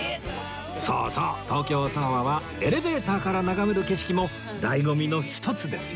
そうそう！東京タワーはエレベーターから眺める景色も醍醐味の一つですよね